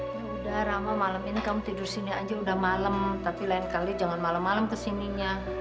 ya udah rame malam ini kamu tidur sini aja udah malam tapi lain kali jangan malam malam kesininya